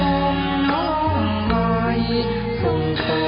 ทรงเป็นน้ำของเรา